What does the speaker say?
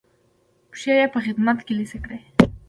پښې یې په خدمت کې لڅې کړې.